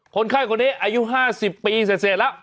คนไข้คนนี้อายุ๕๐ปีเสร็จแล้ว